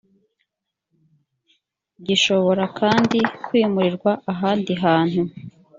gishobora kandi kwimurirwa ahandi hantu.